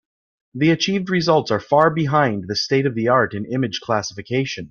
The achieved results are far behind the state-of-the-art in image classification.